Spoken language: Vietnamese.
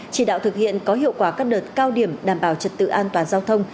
chỉ đạo thực hiện có hiệu quả các đợt cao điểm đảm bảo trật tự an toàn giao thông